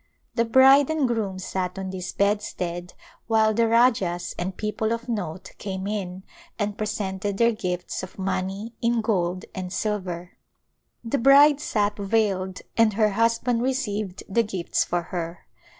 The bride and groom sat on this bed stead while the Rajahs and people of note came in and presented their gifts of money in gold and silver. The bride sat veiled and her husband received the gifts for her.